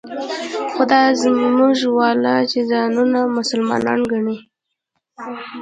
خو دا زموږ والا چې ځانونه مسلمانان ګڼي.